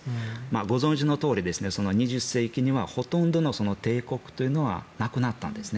ご存じのとおり、２０世紀にはほとんどの帝国というのはなくなったんですね。